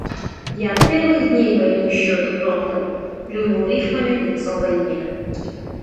Я от первых дней войнищу эту проклял, плюнул рифмами в лицо войне.